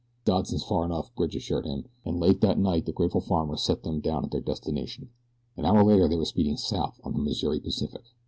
"Dodson's far enough," Bridge assured him, and late that night the grateful farmer set them down at their destination. An hour later they were speeding south on the Missouri Pacific.